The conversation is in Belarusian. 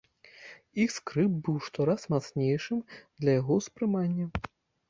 Іх скрып быў штораз мацнейшым для яго ўспрымання.